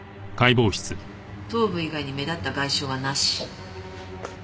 頭部以外に目立った外傷はなし。